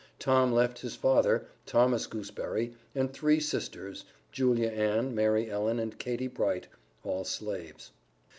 Tom left his father, Thomas Gooseberry, and three sisters, Julia Ann, Mary Ellen, and Katie Bright, all slaves.